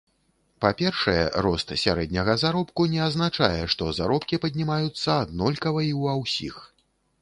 Па-першае, рост сярэдняга заробку не азначае, што заробкі паднімаюцца аднолькава і ва ўсіх.